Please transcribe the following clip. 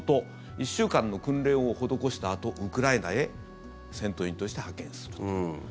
１週間の訓練を施したあとウクライナへ戦闘員として派遣すると。